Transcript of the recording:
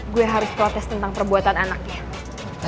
gue harus protes tentang perbuatan anaknya